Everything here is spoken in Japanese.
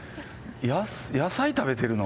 野菜食べてるの？